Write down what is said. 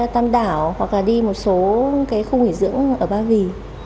tạm đảo hoặc là đi một số cái khu nghỉ dưỡng ở ba vì